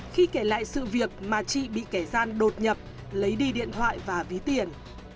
khi kể lại sự việc mà chị bị kẻ gian đột nhập lấy đi điện thoại và ví tiền